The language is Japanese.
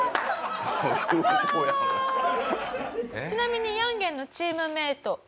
ちなみにヤンゲンのチームメート